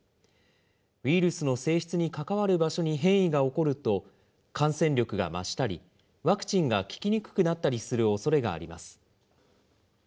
ウイルスの性質に関わる場所に変異が起こると、感染力が増したり、ワクチンが効きにくくなったりするおそれがあります。